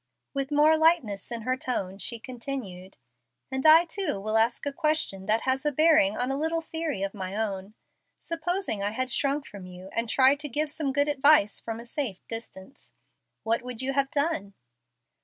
With more lightness in her tone she continued, "And I too will ask a question that has a bearing on a little theory of my own. Supposing I had shrunk from you, and tried to give some good advice from a safe distance, what would you have done?"